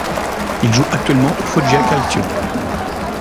Il joue actuellement au Foggia Calcio.